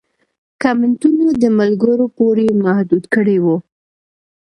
کمنټونه د ملګرو پورې محدود کړي وو